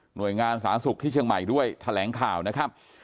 โดยงานสาธารณสุขที่เชียงใหม่ด้วยแถลงข่าวนะครับ